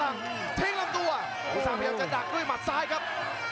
หัวจิตหัวใจแก่เกินร้อยครับ